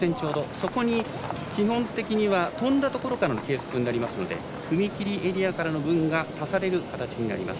そこに基本的には跳んだところからの計測となりますので踏み切りエリアからの分が足される形になります。